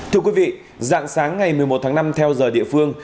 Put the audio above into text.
thưa quý vị dạng sáng ngày một mươi một tháng năm theo giờ địa phương